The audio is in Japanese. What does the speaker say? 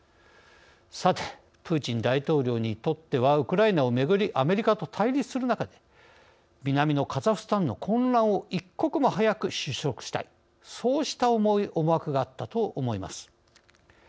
さてプーチン大統領にとってはウクライナをめぐりアメリカと対立する中で南のカザフスタンの混乱を一刻も早く収束したいそうした思惑があったと思います。